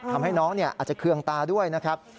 ทำให้น้องอาจจะเคืองตาด้วยนะครับ